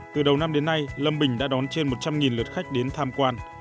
từ đầu năm đến nay lâm bình đã đón trên một trăm linh lượt khách đến tham quan